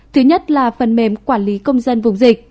thứ nhất là phần mềm quản lý công dân vùng dịch